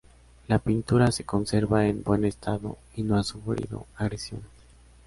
La pintura se conserva en buen estado y no ha sufrido agresiones.